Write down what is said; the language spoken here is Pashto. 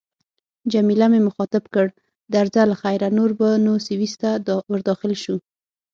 جميله مې مخاطب کړ: درځه له خیره، نور به نو سویس ته ورداخل شو.